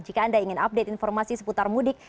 jika anda ingin update informasi seputar mudik